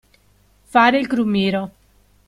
Fare il crumiro.